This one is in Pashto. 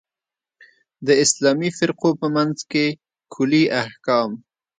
د اسلامي فرقو په منځ کې کُلي احکام.